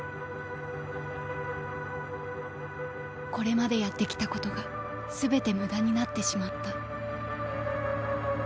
「これまでやってきたことがすべて無駄になってしまった」。